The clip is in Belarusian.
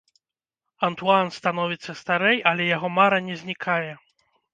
Антуан становіцца старэй, але яго мара не знікае.